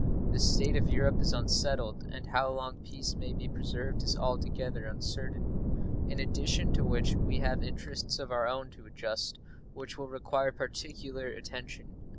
The state of Europe is unsettled, and how long peace may be preserved is altogether uncertain; in addition to which we have interests of our own to adjust which will require particular attention.